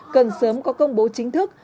cần sớm có công bố chính thức